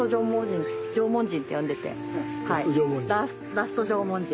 ラスト縄文人。